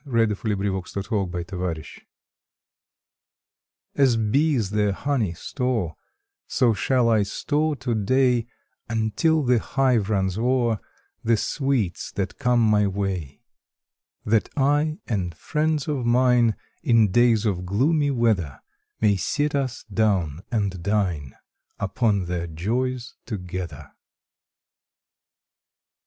February Twentieth GARNERED SWEETS A S bees their honey store, So shall I store to day Until the hive runs o er The sweets that come my way, That I and friends of mine In days of gloomy weather May sit us down and dine Upon their joys together.